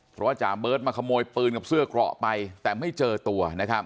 เพราะว่าจ่าเบิร์ตมาขโมยปืนกับเสื้อเกราะไปแต่ไม่เจอตัวนะครับ